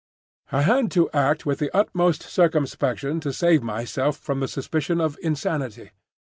I had to act with the utmost circumspection to save myself from the suspicion of insanity.